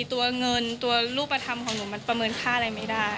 ตัวเงินตัวรูปธรรมของหนูมันประเมินค่าอะไรไม่ได้